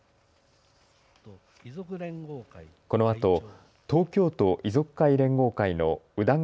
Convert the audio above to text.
このあと東京都遺族会連合会の宇田川剱